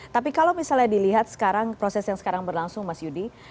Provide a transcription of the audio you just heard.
tapi kalau misalnya dilihat sekarang proses yang sekarang berlangsung mas yudi